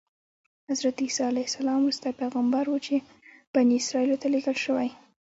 حضرت عیسی علیه السلام وروستی پیغمبر و چې بني اسرایلو ته لېږل شوی.